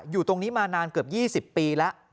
อยู่ตรงนี้มานานเกือบ๒๐ปีแล้ว